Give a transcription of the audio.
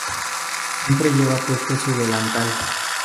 Siempre lleva puesto su delantal.